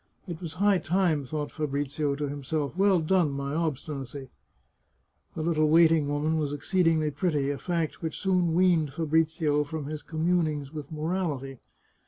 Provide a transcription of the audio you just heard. " It was high time," thought Fabrizio to himself. " Well done, my obstinacy !" The little waiting woman was exceedingly pretty, a fact which soon weaned Fabrizio from his communings with morality.